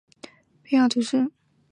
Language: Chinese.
萨勒斯勒沙托人口变化图示